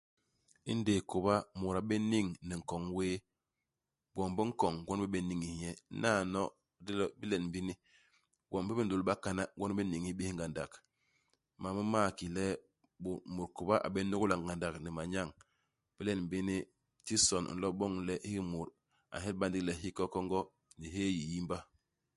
Indéé kôba, mut a bé niñ ni nkoñ wéé. Gwom bi nkoñ gwon bi bé niñis nye. Inaano, idilo ibilen bini, gwom bi ni nlôl i bakana gwon bi n'niñis bés ngandak. Mam m'ma ki le bô mut kôba a bé nôgla ngandak ni manyañ. Ibilen bini, tison i nlo i boñ le hiki mut a nhyelba ndigi le hi hikonkongo ni ihéé hiyiyimba.